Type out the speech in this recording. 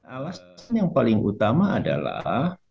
alasan yang paling utama adalah